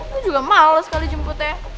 gue juga males kali jemputnya